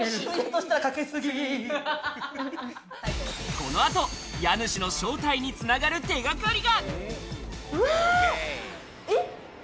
この後、家主の正体につながる手掛かりが。